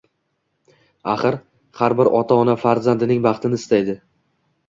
Axir, har bir ota-ona farzandining baxtini istaydi